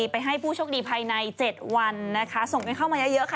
ไปให้ผู้โชคดีภายใน๗วันนะคะส่งกันเข้ามาเยอะค่ะ